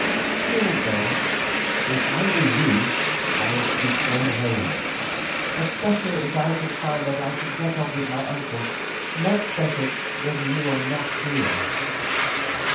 Till then, if I were you, I should go home, especially as I find that I can get on with my uncle much better when you are not here."